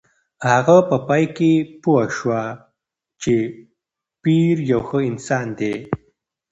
هغه په پای کې پوه شوه چې پییر یو ښه انسان دی.